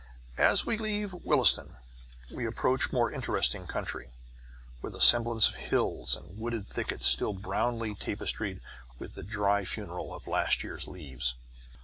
As we leave East Williston we approach more interesting country, with a semblance of hills, and wooded thickets still brownly tapestried with the dry funeral of last year's leaves.